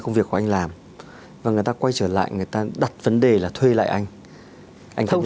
công việc của anh làm và người ta quay trở lại người ta đặt vấn đề là thuê lại anh không